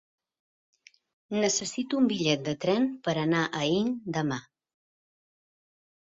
Necessito un bitllet de tren per anar a Aín demà.